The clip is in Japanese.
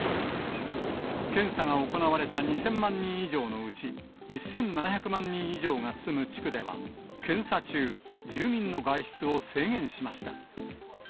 検査が行われた２０００万人以上のうち、１７００万人以上が住む地区では、検査中、住民の外出を制限しました。